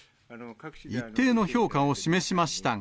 一定の評価を示しましたが。